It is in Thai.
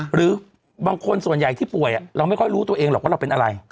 หรือบางคนส่วนใหญ่ที่ป่วยเราไม่ค่อยรู้ตัวเองหรอกว่าเราเป็นอะไร